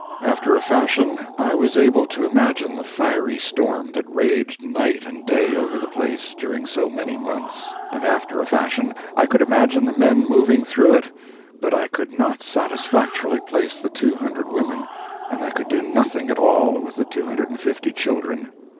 After a fashion, I was able to imagine the fiery storm that raged night and day over the place during so many months, and after a fashion I could imagine the men moving through it, but I could not satisfactorily place the 200 women, and I could do nothing at all with the 250 children.